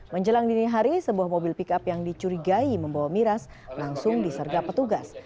menjelang dini hari sebuah mobil pickup yang dicurigai membawa miras langsung disergap petugas